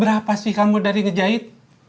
berapa sih kamu dari ngejahit